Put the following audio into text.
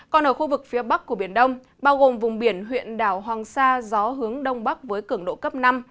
còn ở khu vực phía bắc của biển đông bao gồm vùng biển huyện đảo hoàng sa gió hướng đông bắc với cường độ cấp năm